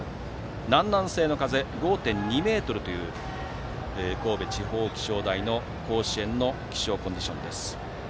南南西の風５．２メートルという神戸地方気象台による甲子園の気象コンディション。